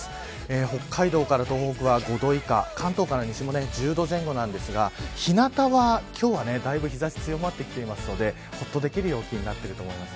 北海道から東北は５度以下関東から西も１０度前後なんですが日なたは、今日はだいぶ日差しが強まってきているのでほっとできる陽気になっています。